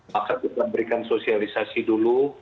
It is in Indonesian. maka kita berikan sosialisasi dulu